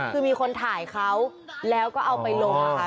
คือมีคนถ่ายเขาแล้วก็เอาไปลงนะคะ